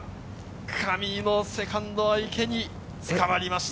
上井もセカンドは池につかまりました。